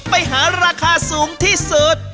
ไปหาราคาสูงที่สุด